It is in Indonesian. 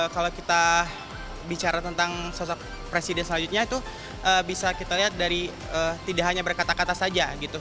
kalau kita bicara tentang sosok presiden selanjutnya itu bisa kita lihat dari tidak hanya berkata kata saja gitu